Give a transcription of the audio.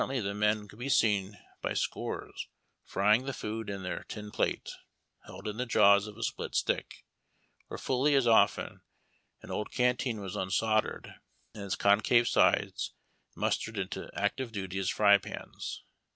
}^ the men could be seen by scores frying the food in their tin plate, held in the jaws of a split stick, or fully as often an old canteen was unsoldered and its concave sides mustered into active duty as fry pans.